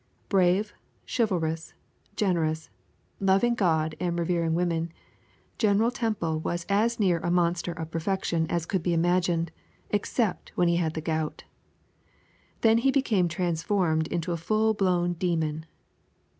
Brave, chivalrous, generous, loving God and revering woman, General Temple was as near a monster of perfection as could be imagined, except when he had the gout. Then he became transformed into a full blown demon.